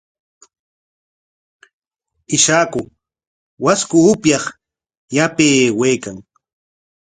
Ishaku washku upyaq yapay aywaykan.